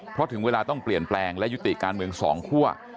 เพราะถึงเวลาต้องเปลี่ยนแปลงและยุติการเมืองสองคั่ว